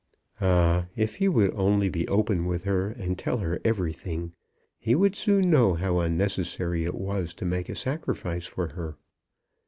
Ah! if he would only be open with her, and tell her everything, he would soon know how unnecessary it was to make a sacrifice for her.